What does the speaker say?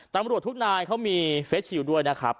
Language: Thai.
ตำรวจทุกนายเขามีเฟสชิลด้วยนะครับ